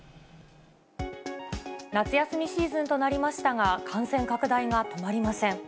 夏休みシーズンとなりましたが、感染拡大が止まりません。